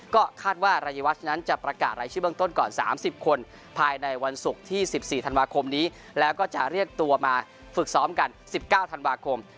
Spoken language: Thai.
ก็คาดว่ารายวัชนั้นจะประกาศรายชื่อเบื้องต้นก่อน๓๐คนภายในวันศุกร์ที่๑๔ธันวาคมนี้แล้วก็จะเรียกตัวมาฝึกซ้อมกัน๑๙ธันวาคม